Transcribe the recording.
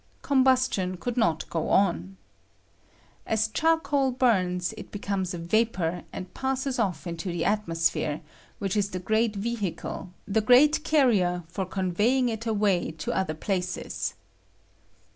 Combustion could not go on. As charcoal bums it becomes a vapor and passes off into the atmosphere, which is the great vehicle, the great carrier for conveying it away to other places.